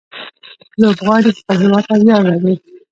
لوبغاړي خپل هيواد ته ویاړ راوړي.